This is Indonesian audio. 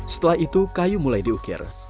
setelah itu kayu mulai diukir